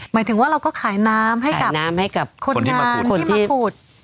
หมายถึงว่าเราก็ขายน้ำให้กับคนที่มาขุดขายน้ำให้กับคนที่มาขุด